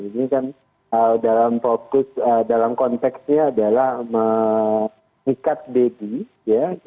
ini kan dalam konteksnya adalah mengikat deddy